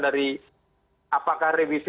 dari apakah revisi